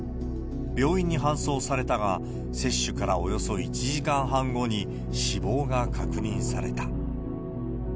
病院に搬送されたが、接種からおよそ１時間半後に、死亡が確認された。